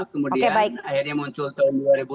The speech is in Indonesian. kemudian akhirnya muncul tahun dua ribu dua puluh